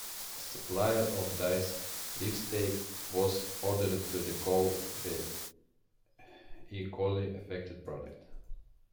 A supplier of diced beefsteak was ordered to recall the E. coli-affected product.